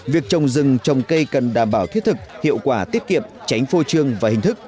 việc trồng rừng trồng cây cần đảm bảo thiết thực hiệu quả tiết kiệm tránh phô trương và hình thức